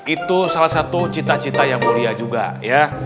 itu salah satu cita cita yang mulia juga ya